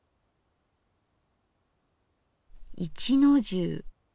一の重。